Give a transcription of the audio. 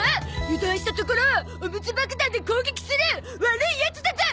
油断したところをおむつ爆弾で攻撃する悪いヤツだゾ！